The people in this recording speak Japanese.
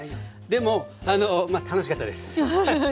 でもあの楽しかったです。